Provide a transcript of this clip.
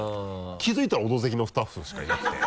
気づいたら「オドぜひ」のスタッフしかいなくて。